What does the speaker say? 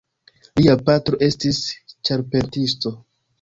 Lia patro estis ĉarpentisto.